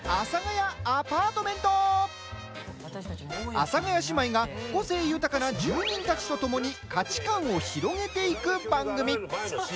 阿佐ヶ谷姉妹が個性豊かな住人たちとともに価値観を広げていく番組。